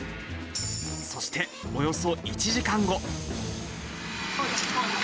そして、およそ１時間後。